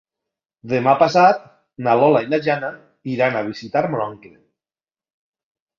Demà passat na Lola i na Jana iran a visitar mon oncle.